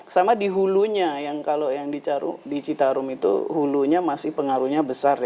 sama di hulunya yang kalau yang di citarum itu hulunya masih pengaruhnya besar ya